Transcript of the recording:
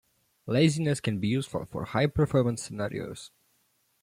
Laziness can be useful for high performance scenarios.